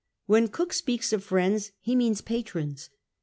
When Cook speaks of friends he moans patrons.